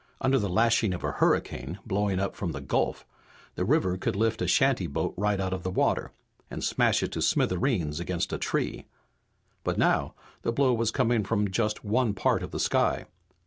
Under the lashing of a hurricane blowing up from the gulf the river could lift a shantyboat right out of the water, and smash it to smithereens against a tree. But now the blow was coming from just one part of the sky.